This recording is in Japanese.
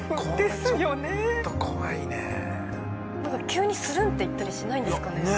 急にスルンッていったりしないんですかね？